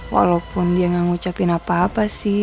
walaupun dia gak ngucapin apa apa sih